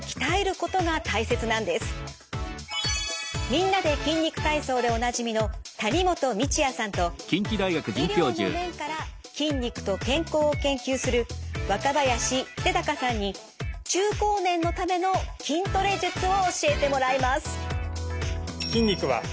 「みんなで筋肉体操」でおなじみの谷本道哉さんと医療の面から筋肉と健康を研究する若林秀隆さんに中高年のための筋トレ術を教えてもらいます。